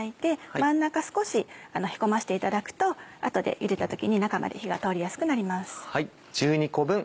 真ん中少しへこませていただくと後でゆでた時に中まで火が通りやすくなります。